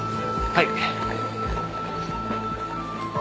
はい。